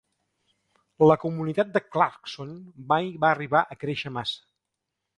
La comunitat de Clarkson mai va arribar a créixer massa.